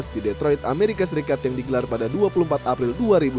di detroit amerika serikat yang digelar pada dua puluh empat april dua ribu dua puluh